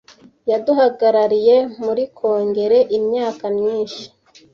Yaduhagarariye muri Kongere imyaka myinshi.